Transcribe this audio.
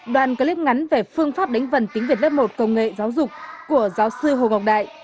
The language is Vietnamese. đoàn clip ngắn về phương pháp đánh vần tiếng việt lớp một công nghệ giáo dục của giáo sư hồ ngọc đại